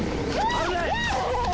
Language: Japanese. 危ない！